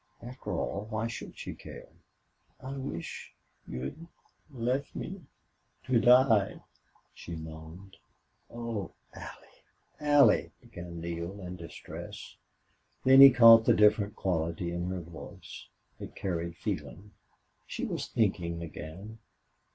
After all, why should she care? "I wish you'd left me to die!" she moaned. "Oh! Allie! Allie!" began Neale, in distress. Then he caught the different quality in her voice. It carried feeling. She was thinking again.